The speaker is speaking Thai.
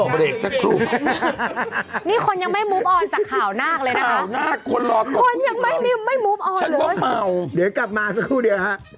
โปรดติดตามตอนต่อไป